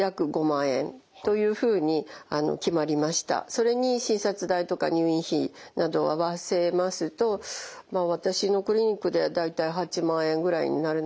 それに診察代とか入院費など合わせますと私のクリニックでは大体８万円ぐらいになるのかなと思っています。